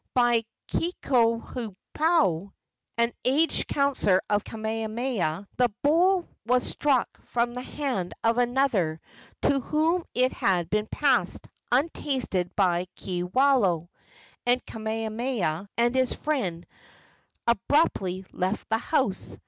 By Kekuhaupio, the aged counsellor of Kamehameha, the bowl was struck from the hand of another to whom it had been passed untasted by Kiwalao, and Kamehameha and his friend abruptly left the house.